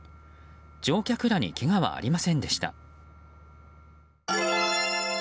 乗客らにけがはありませんでした。